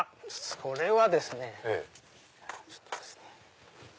それはですねちょっとですね。